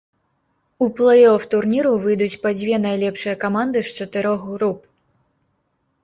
У плэй-оф турніру выйдуць па дзве найлепшыя каманды з чатырох груп.